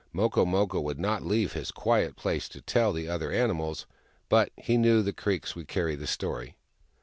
Moko Moko w^ould not leave his quiet places to tell the other animals, but he knew the creeks would carry the story.